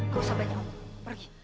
gak usah banyak banyak pergi